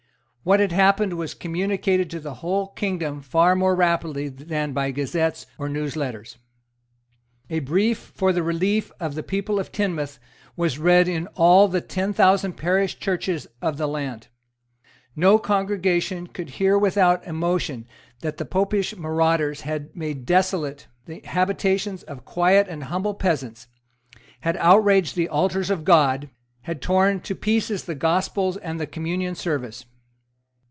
What had happened was communicated to the whole kingdom far more rapidly than by gazettes or news letters. A brief for the relief of the people of Teignmouth was read in all the ten thousand parish churches of the land. No congregation could hear without emotion that the Popish marauders had made desolate the habitations of quiet and humble peasants, had outraged the altars of God, had torn to pieces the Gospels and the Communion service.